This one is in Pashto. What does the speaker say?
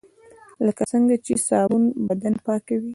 لکه څنګه چې صابون بدن پاکوي .